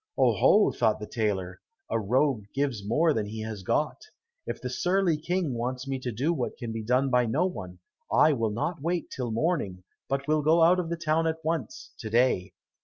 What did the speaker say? "Oho!" thought the tailor, "a rogue gives more than he has got. If the surly King wants me to do what can be done by no one, I will not wait till morning, but will go out of the town at once, to day."